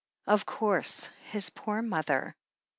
"Of course. His poor mother!"